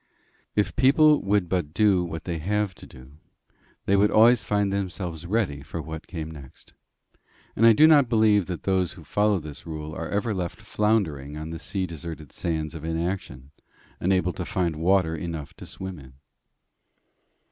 If people would but do what they have to do, they would always find themselves ready for what came next. And I do not believe that those who follow this rule are ever left floundering on the sea deserted sands of inaction, unable to find water enough to swim in."